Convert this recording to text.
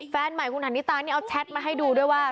แฟนใหม่คุณหันนิตานี่เอาแชทมาให้ดูด้วยว่า